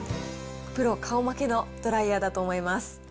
プロ顔負けのドライヤーだと思います。